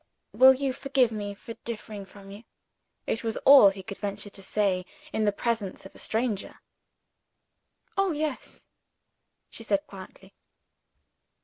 "Will you forgive me for differing from you?" It was all he could venture to say, in the presence of a stranger. "Oh, yes!" she said quietly.